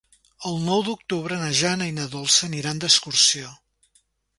El nou d'octubre na Jana i na Dolça aniran d'excursió.